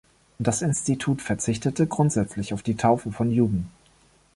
Das Institut verzichtete grundsätzlich auf die Taufe von Juden.